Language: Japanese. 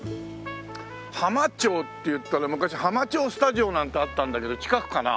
浜町っていったら昔浜町スタジオなんてあったんだけど近くかな？